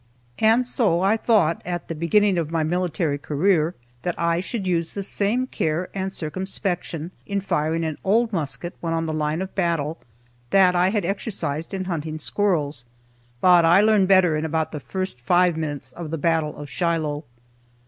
And so I thought, at the beginning of my military career, that I should use the same care and circumspection in firing an old musket when on the line of battle that I had exercised in hunting squirrels. But I learned better in about the first five minutes of the battle of Shiloh.